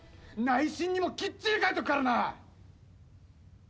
内申にもきっちり書いとくからな！